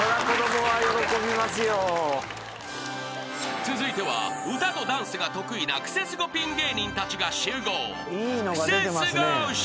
［続いては歌とダンスが得意なクセスゴピン芸人たちが集合］